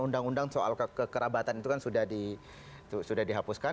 undang undang soal kekerabatan itu kan sudah dihapuskan